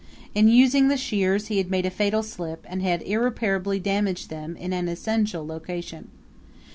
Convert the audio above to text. In using the shears he had made a fatal slip and had irreparably damaged them in an essential location.